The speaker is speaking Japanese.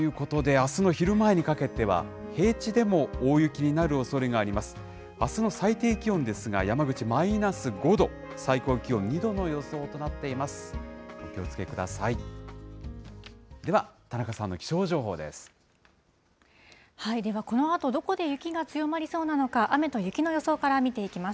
あすの最低気温ですが、山口マイナス５度、最高気温２度の予想となっています。